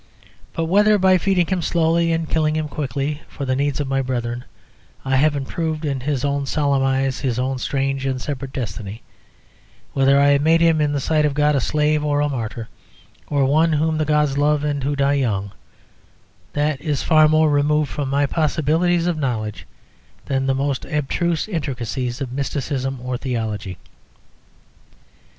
But whether by feeding him slowly and killing him quickly for the needs of my brethren, I have improved in his own solemn eyes his own strange and separate destiny, whether I have made him in the sight of God a slave or a martyr, or one whom the gods love and who die young that is far more removed from my possibilities of knowledge than the most abstruse intricacies of mysticism or theology.